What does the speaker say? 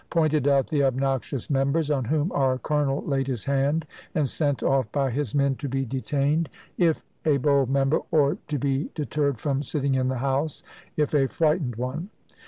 pointed out the obnoxious members, on whom our colonel laid his hand, and sent off by his men to be detained, if a bold member, or to be deterred from sitting in the house, if a frightened one.